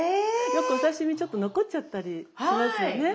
よくお刺身ちょっと残っちゃったりしますよね。